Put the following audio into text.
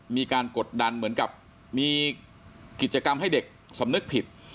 กดดันเหมือนกับมีกิจกรรมให้เด็กสำนึกผิด